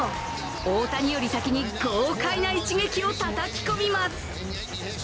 大谷より先に豪快な一撃をたたき込みます。